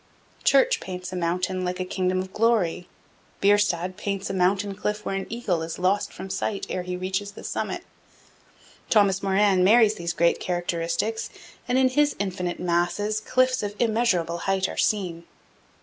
Church paints a mountain like a kingdom of glory. Bierstadt paints a mountain cliff where an eagle is lost from sight ere he reaches the summit. Thomas Moran marries these great characteristics, and in his infinite masses cliffs of immeasurable height are seen.